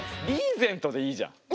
「リーゼント」でいいじゃん。